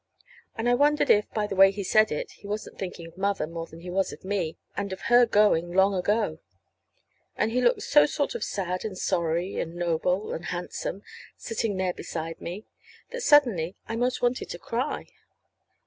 And I wondered if, by the way he said it, he wasn't thinking of Mother more than he was of me, and of her going long ago. And he looked so sort of sad and sorry and noble and handsome, sitting there beside me, that suddenly I 'most wanted to cry.